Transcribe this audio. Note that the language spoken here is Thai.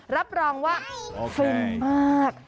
รับรองว่าฟินมาก